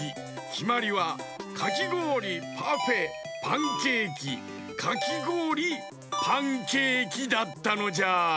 きまりはかきごおりパフェパンケーキかきごおりパンケーキだったのじゃ。